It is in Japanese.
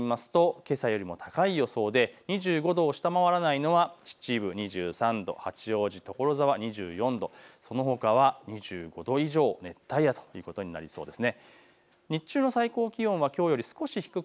各地の最低気温をまず見てみますと、けさよりも高い予想で２５度を下回らないのは秩父２３度、八王子、所沢２４度、そのほかは２５度以上、熱帯夜ということになりそうです。